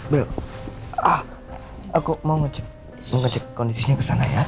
bel aku mau ngecek kondisinya kesana ya